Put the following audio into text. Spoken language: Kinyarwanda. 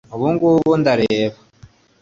Ubu ngubu ndareba